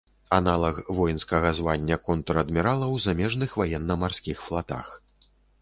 Аналаг воінскага звання контр-адмірала ў замежных ваенна-марскіх флатах.